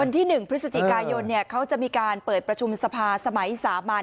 ที่๑พฤศจิกายนเขาจะมีการเปิดประชุมสภาสมัยสามัญ